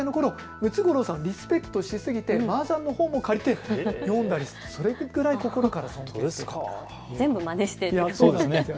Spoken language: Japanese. ムツゴロウさんをリスペクトしすぎてマージャンの本を借りて読んだ、それぐらい心から尊敬しているということです。